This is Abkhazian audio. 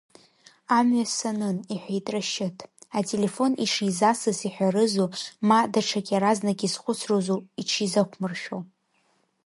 Амҩа санын, — иҳәеит Рашьыҭ, ателефон ишизасыз иҳәарызу, ма даҽак иаразнак изхәыцрызу иҽизақәмыршәо.